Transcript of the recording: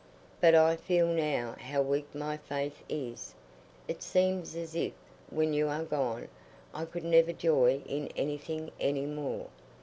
But I feel now how weak my faith is. It seems as if, when you are gone, I could never joy in anything any more.